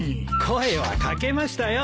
声は掛けましたよ。